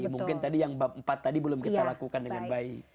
mungkin tadi yang bab empat tadi belum kita lakukan dengan baik